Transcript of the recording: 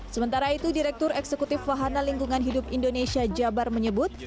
sementara itu direktur eksekutif wahana lingkungan hidup indonesia jabar menyebut